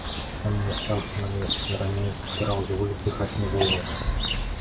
Камень астаўся на месцы, раней ён падпіраў з вуліцы хатні вугал.